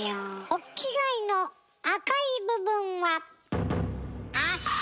ホッキガイの赤い部分は。